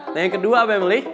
nah yang kedua apa emily